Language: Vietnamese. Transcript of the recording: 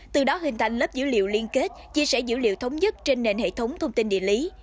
từ đó hình thành lớp dữ liệu liên kết chia sẻ dữ liệu thống nhất trên nền hệ thống thông tin địa lý